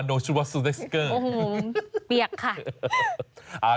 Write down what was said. โอ้โฮเปียกค่ะ